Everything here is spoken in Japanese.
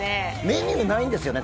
メニューないんですよね？